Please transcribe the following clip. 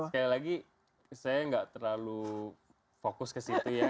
sekali lagi saya nggak terlalu fokus ke situ ya